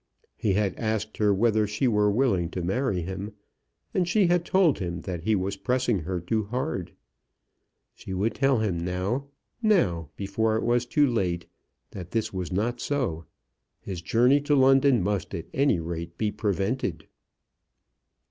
He had asked her whether she were willing to marry him, and she had told him that he was pressing her too hard. She would tell him now, now before it was too late, that this was not so. His journey to London must at any rate be prevented.